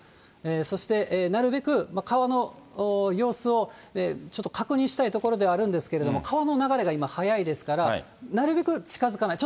そして、なるべく川の様子を、ちょっと確認したいところではあるんですけれども、川の流れが今速いですから、なるべく近づかない。